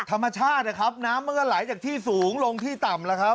ธรรมชาตินะครับน้ำมันก็ไหลจากที่สูงลงที่ต่ำแล้วครับ